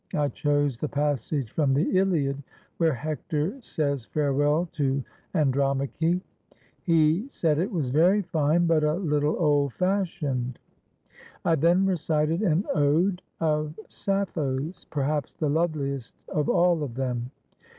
I chose the passage from the 'Iliad' where Hector says farewell to Andromache. He said it was very fine, but a httle old fashioned. I then recited an ode of Sappho's, perhaps the loveliest of all of them.